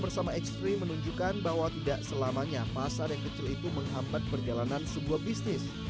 apa yang dilakukan hendra bersama x tiga menunjukkan bahwa tidak selamanya pasar yang kecil itu menghambat perjalanan sebuah bisnis